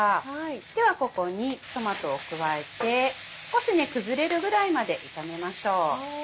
ではここにトマトを加えて少し崩れるぐらいまで炒めましょう。